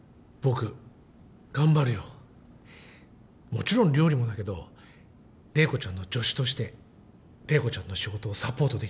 もちろん料理もだけど麗子ちゃんの助手として麗子ちゃんの仕事をサポートできるよう。